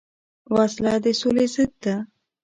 وسله د سولې ضد ده